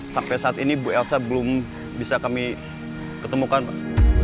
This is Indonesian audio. sampai saat ini bu elsa belum bisa kami ketemukan pak